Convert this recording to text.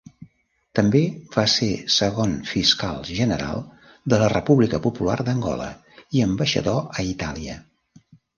També va ser segon fiscal general de la República Popular d'Angola i ambaixador a Itàlia.